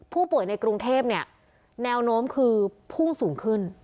ในกรุงเทพเนี่ยแนวโน้มคือพุ่งสูงขึ้น